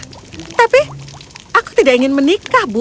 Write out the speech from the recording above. tapi aku tidak ingin menikah bu